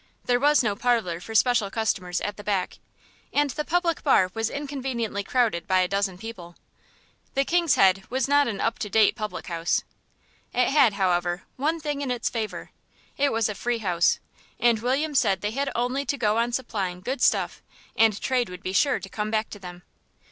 There was no parlour for special customers at the back, and the public bar was inconveniently crowded by a dozen people. The "King's Head" was not an up to date public house. It had, however, one thing in its favour it was a free house, and William said they had only to go on supplying good stuff, and trade would be sure to come back to them.